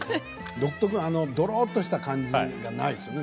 独特のどろっとした感じがないですね。